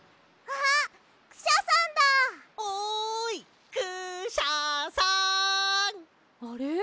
あれ？